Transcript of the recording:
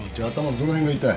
どの辺が痛い？